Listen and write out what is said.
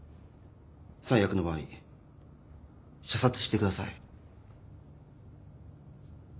最悪の場合射殺してください。